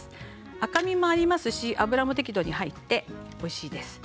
赤身もありますし脂も適度に入っておいしいです。